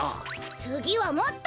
つぎはもっと。